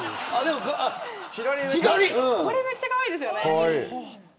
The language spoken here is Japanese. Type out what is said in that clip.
これめっちゃかわいいですよね。